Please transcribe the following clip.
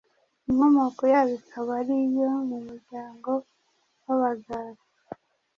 Inkomoko yabo ikaba ari iyo mu muryango w’Abagala